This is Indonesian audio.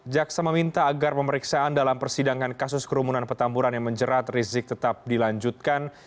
jaksa meminta agar pemeriksaan dalam persidangan kasus kerumunan petamburan yang menjerat rizik tetap dilanjutkan